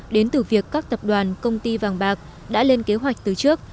đến từ việc các tập đoàn công ty vàng bạc đã lên kế hoạch từ trước